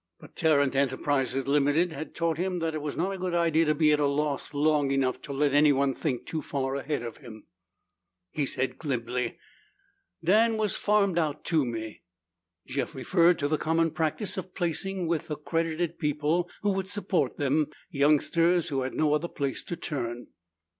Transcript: But Tarrant Enterprises, Ltd., had taught him that it was not a good idea to be at a loss long enough to let anyone else think too far ahead of him. He said glibly, "Dan was farmed out to me." Jeff referred to the common practice of placing with accredited people who would support them, youngsters who had no other place to turn.